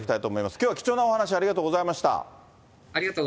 きょうは貴重なお話、ありがとうございました。